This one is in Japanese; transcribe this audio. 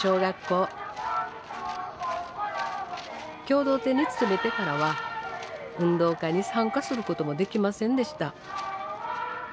共同店に勤めてからは運動会に参加することもできませんでした。